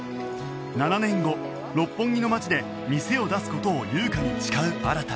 ７年後六本木の街で店を出す事を優香に誓う新